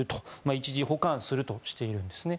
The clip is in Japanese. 一時保管するとしているんですね。